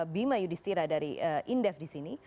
bima yudhistira dari indef di sini